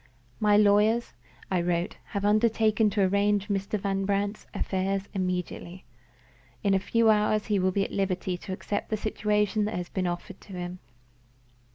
"My lawyers" (I wrote) "have undertaken to arrange Mr. Van Brandt's affairs immediately. In a few hours he will be at liberty to accept the situation that has been offered to him."